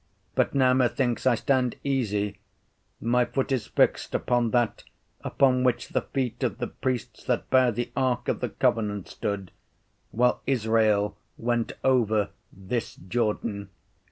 But now methinks I stand easy; my foot is fixed upon that upon which the feet of the priests that bare the ark of the covenant stood, while Israel went over this Jordan.